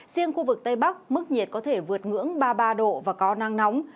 riêng khu vực tây bắc mức nhiệt có thể vượt ngưỡng ba mươi ba độ và có nắng nóng